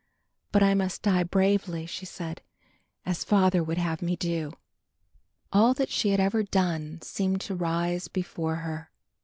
"But I must die bravely," she said, "as father would have me do." All that she had ever done seemed to rise before her.